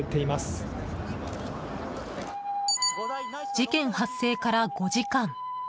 事件発生から５時間。